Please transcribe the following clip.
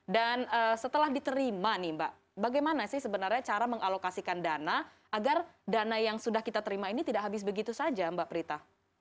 dan setelah diterima nih mbak bagaimana sih sebenarnya cara mengalokasikan dana agar dana yang sudah kita terima ini tidak habis begitu saja mbak prita